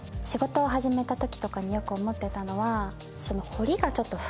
仕事を始めた時とかによく思ってたのは。